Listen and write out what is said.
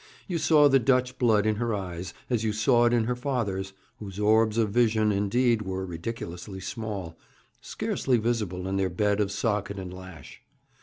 You saw the Dutch blood in her eyes, as you saw it in her father's, whose orbs of vision, indeed, were ridiculously small scarcely visible in their bed of socket and lash.